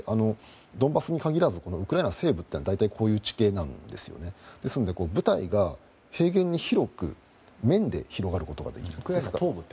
ドンバスに限らずウクライナ西部は大体こういう地形です。ですので、部隊が平原に広く面で広がることができる。